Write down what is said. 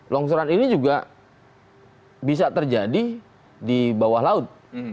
longsoran ini juga bisa terjadi di bawah laut